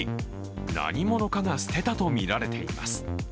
何者かが捨てたとみられています。